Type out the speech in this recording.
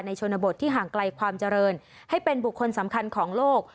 ชนบทที่ห่างไกลความเจริญให้เป็นบุคคลสำคัญของโลก